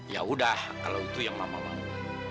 ya udah kalau itu yang mama mau